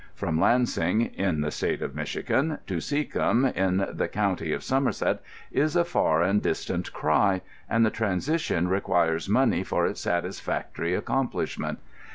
From Lansing, in the State of Michigan, to Seacombe, in the county of Somerset, is a far and distant cry, and the transition requires money for its satisfactory accomplishment.